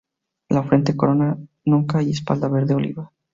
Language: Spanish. La frente, corona, nuca y espalda verde oliva.